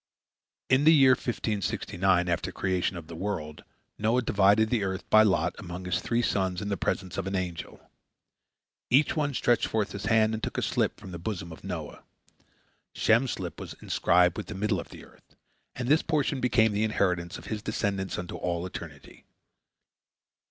" In the year 1569 after the creation of the world, Noah divided the earth by lot among his three sons, in the presence of an angel. Each one stretched forth his hand and took a slip from the bosom of Noah. Shem's slip was inscribed with the middle of the earth, and this portion became the inheritance of his descendants unto all eternity.